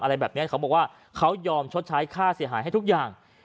อะไรแบบนี้เขาบอกว่าเขายอมชดใช้ค่าเสียหายให้ทุกอย่าง